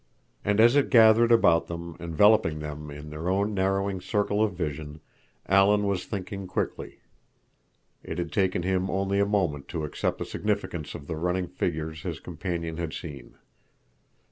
And as it gathered about them, enveloping them in their own narrowing circle of vision, Alan was thinking quickly. It had taken him only a moment to accept the significance of the running figures his companion had seen.